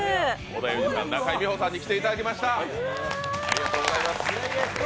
織田裕二さん、中井美穂さんに来ていただきました。